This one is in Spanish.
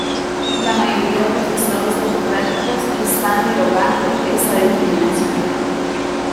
La mayoría de los estados democráticos están derogando esta discriminación.